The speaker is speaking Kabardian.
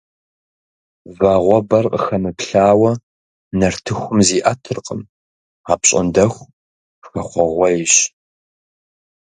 Вагъуэбэр къыхэмыплъауэ нартыхум зиӏэтыркъым, апщӏондэху хэхъуэгъуейщ.